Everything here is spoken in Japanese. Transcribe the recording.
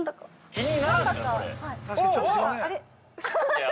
◆気にならんか？